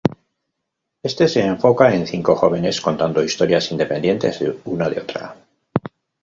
Este se enfoca en cinco jóvenes contando historias independientes una de otra.